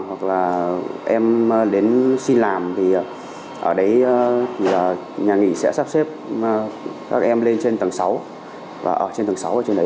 hoặc là em đến xin làm thì ở đấy nhà nghỉ sẽ sắp xếp các em lên trên tầng sáu